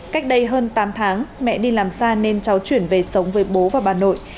cách đây hơn tám tháng mẹ đi làm xa nên cháu chuyển về sống với bố và bà nội